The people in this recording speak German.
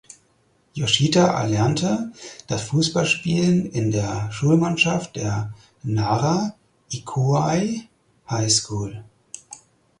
Yoshida erlernte das Fußballspielen in der Schulmannschaft der "Nara Ikuei High School".